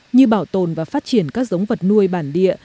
như bảo tồn và phát triển các giống vật nuôi bản địa